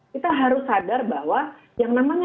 kita harus sadar bahwa yang namanya